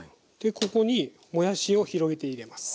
ここにもやしを広げて入れます。